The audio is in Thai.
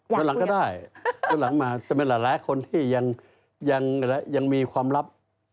เดือนหลังก็ได้เดือนหลังมาจะเป็นหลายคนที่ยังมีความลับ